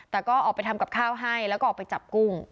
แต่ก็ออกไปทำกับข้าวให้แล้วก็ออกไปจับกุ้ง